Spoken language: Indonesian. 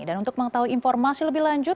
dan untuk mengetahui informasi